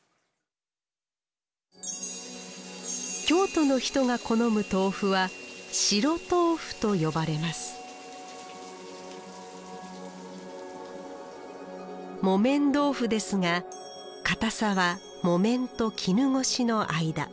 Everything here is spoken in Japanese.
京都の人が好む豆腐は白とうふと呼ばれます木綿豆腐ですがかたさは木綿と絹ごしの間。